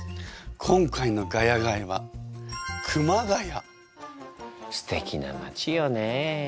今回のガヤガヤはすてきな町よね。